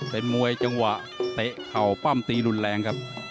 เป็นมวยจังหวะเตะเข่าปั้มตีรุนแรงครับ